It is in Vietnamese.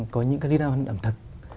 có những cái video clip ẩm thực